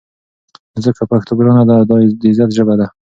نو ځکه پښتو ګرانه ده او دا د عزت ژبه ده.